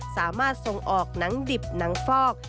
สามารถส่งออกหนังดิบหนังฟอก